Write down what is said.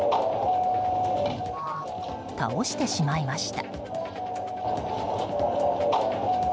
倒してしまいました。